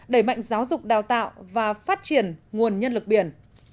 đẩy mạnh giáo dục đào tạo và phát triển nguồn nhân lực biển